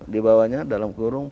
dibawanya dalam kurung